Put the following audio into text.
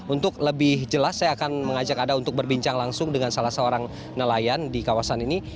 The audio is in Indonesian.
untuk lebih jelas saya akan mengajak anda untuk berbincang langsung dengan salah seorang nelayan di kawasan ini